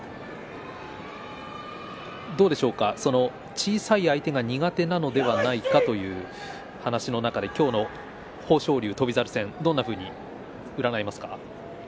小さな相手は苦手なんではないかという話の中で今日の豊昇龍翔猿戦どのように占いますか。